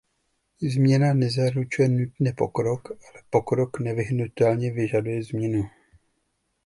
Změna nezaručuje nutně pokrok, ale pokrok nevyhnutelně vyžaduje změnu.